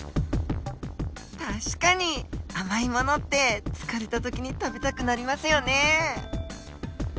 確かに甘いものって疲れた時に食べたくなりますよね。